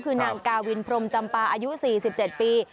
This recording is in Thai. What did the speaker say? คือนางกาวินพรมจำปาอายุ๔๗ปี